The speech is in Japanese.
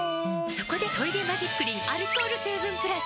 そこで「トイレマジックリン」アルコール成分プラス！